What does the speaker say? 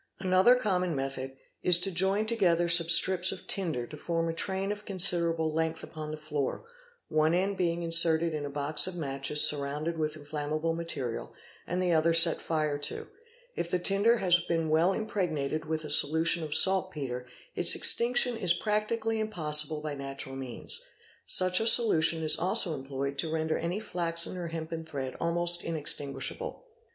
Another common method is to join together some strips of tinder to form a train of considerable length upon the floor, one end being inserted in a box of matches surrounded with inflammable material and the other set fire to. If the tinder has been well impregnated with a solution of saltpetre, its extinction is practically impossible by natural means. Such a solution is also employed to render any flaxen or hempen thread almost inextinguishable.